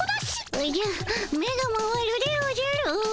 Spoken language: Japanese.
おじゃ目が回るでおじゃる。